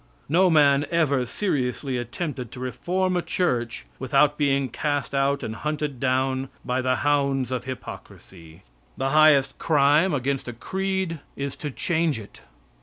No man ever seriously attempted to reform a church without being cast out and hunted down by the hounds of hypocrisy. The highest crime against a creed is to change it.